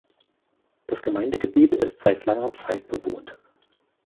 Das Gemeindegebiet ist seit langer Zeit bewohnt.